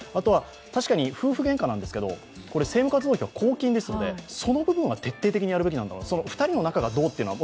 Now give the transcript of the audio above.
確かに夫婦げんかなんですけど、政務活動費は公金ですのでその部分は徹底的にやるべきだろうと思うんです。